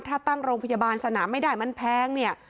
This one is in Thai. ถ้าตั้งโรงพยาบาลสนามไม่ได้มันแพงเนี่ย